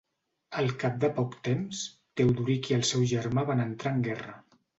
Al cap de poc temps, Teodoric i el seu germà van entrar en guerra.